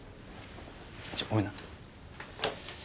ちょっとごめんな。